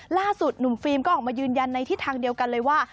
ล่าสุดหนุ่มฟิล์มก็ออกมายืนยันในทิศทางเดียวกันเลยว่า